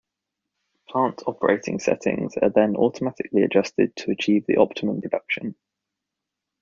Plant operating settings are then automatically adjusted to achieve the optimum production.